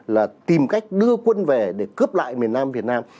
là tìm cách đưa quân về để cướp lại miền nam việt nam